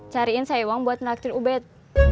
cariin saya uang buat ngeraktin ubet